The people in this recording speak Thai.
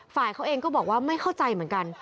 ฝ่ายเขาเองก็บอกว่าไม่เข้าใจเหมือนกัน